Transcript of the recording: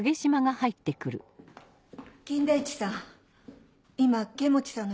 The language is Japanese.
金田一さん。